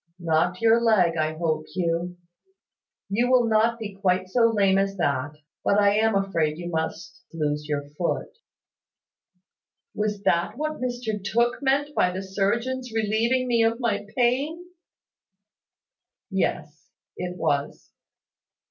"Not your leg, I hope, Hugh. You will not be quite so lame as that: but I am afraid you must lose your foot." "Was that what Mr Tooke meant by the surgeon's relieving me of my pain?" "Yes, it was."